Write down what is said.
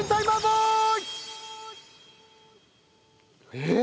えっ？